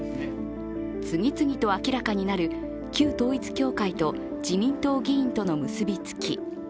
次々と明らかになる旧統一教会と自民党の議員との結びつき。